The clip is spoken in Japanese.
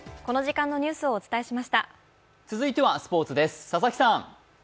続いてはスポーツです佐々木さん。